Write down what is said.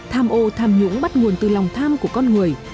tham ô tham nhũng bắt nguồn từ lòng tham của con người